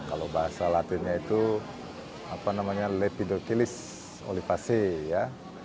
kalau bahasa latinnya itu apa namanya lepidotilis olivacea ya